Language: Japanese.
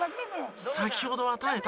先ほどは耐えた。